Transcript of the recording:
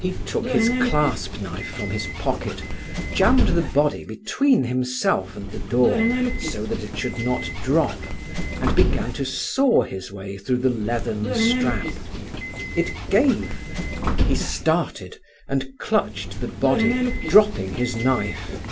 He took his clasp knife from his pocket, jammed the body between himself and the door so that it should not drop, and began to saw his way through the leathern strap. It gave. He started, and clutched the body, dropping his knife.